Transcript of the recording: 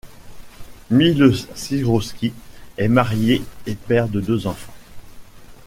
Mile Spirovski est marié et père de deux enfants.